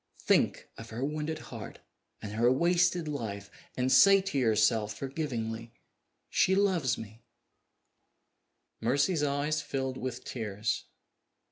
Think of her wounded heart and her wasted life and say to yourself forgivingly, She loves me!" Mercy's eyes filled with tears.